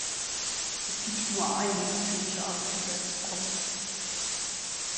Es gibt nur eine natürliche Art, auf die Welt zu kommen.